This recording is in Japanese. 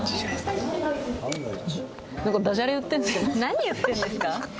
何言ってんですか？